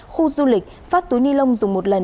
khu du lịch phát túi ni lông dùng một lần